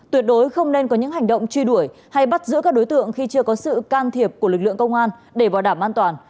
tuyệt đối không nên có những hành động truy đuổi hay bắt giữ các đối tượng khi chưa có sự can thiệp của lực lượng công an để bảo đảm an toàn